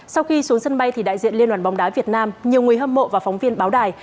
sau khi xuống sân bay thì đại diện liên đoàn bóng đá việt nam nhiều người hâm mộ và phóng viên báo đài